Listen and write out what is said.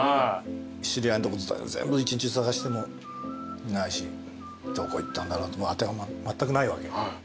知り合いのとこ全部一日中捜してもいないしどこ行ったんだろうなと当てがまったくないわけ。